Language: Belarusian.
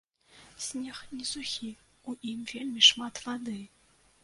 Снег не сухі, у ім вельмі шмат вады.